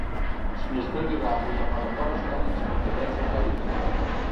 • شنې سترګې د هغوی لپاره غوره ښکاري چې د طبیعت سره اړیکه لري.